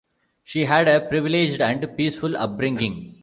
She had a privileged and peaceful upbringing.